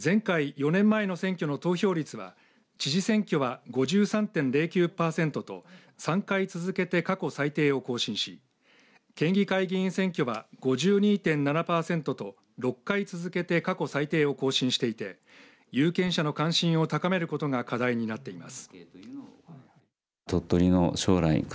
前回４年前の選挙の投票率は知事選挙は５３．０９パーセントと３回続けて過去最低を更新し県議会議員選挙は５２．７パーセントと６回続けて過去最低を更新していて有権者の関心を高めることが課題になっています。